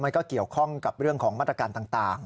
มันก็เกี่ยวข้องกับเรื่องของมาตรการต่าง